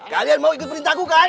kalian mau ikut perintahku kan